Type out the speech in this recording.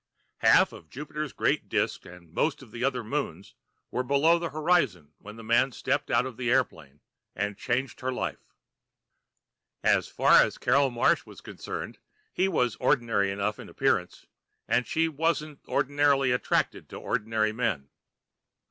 Half of Jupiter's great disk and most of the other moons were below the horizon when the man stepped out of the plane and changed her life. As far as Carol Marsh was concerned, he was ordinary enough in appearance. And she wasn't ordinarily attracted to ordinary men.